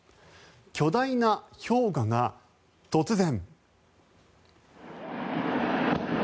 巨大な氷河が突然。